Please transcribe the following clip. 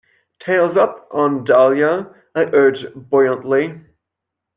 "Tails up, Aunt Dahlia," I urged buoyantly.